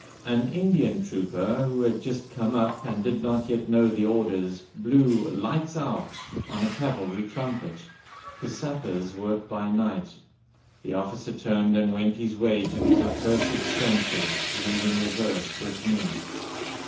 An Indian trooper who had just come up, and did not yet know the orders, blew "Lights out", on a cavalry trumpet. The sappers work by night. The officer turned and went his way to his accursed trenches, leaving the verse with me.